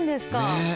ねえ。